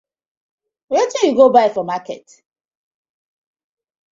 Wetin yu go bai for market.